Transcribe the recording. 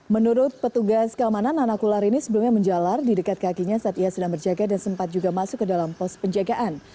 menurut petugas keamanan anak ular ini sebelumnya menjalar di dekat kakinya saat ia sedang berjaga dan sempat juga masuk ke dalam pos penjagaan